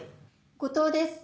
後藤です。